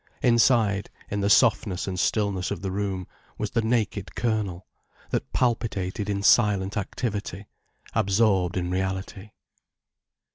Inside, in the softness and stillness of the room, was the naked kernel, that palpitated in silent activity, absorbed in reality.